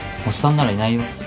おっさんならいないよ。